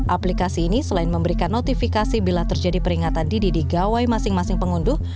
aplikasi ini selain memberikan notifikasi bila terjadi peringatan didi di gawai masing masing pengunduh